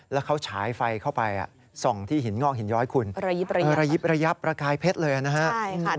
แล้วเขาฉายไฟเข้าไปส่องที่หินงอกหินย้อยคุณระยิบระยับประกายเพชรเลยนะฮะ